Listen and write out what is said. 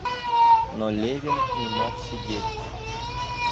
Но Левин не мог сидеть.